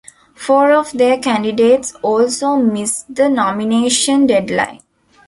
Four of their candidates also missed the nomination deadline.